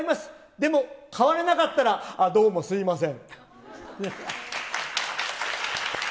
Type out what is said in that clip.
でも、変われなかったら、どうもすみません。